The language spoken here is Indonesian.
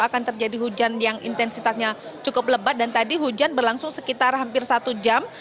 akan terjadi hujan yang intensitasnya cukup lebat dan tadi hujan berlangsung sekitar hampir satu jam